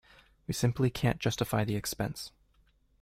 We simply can't justify the expense.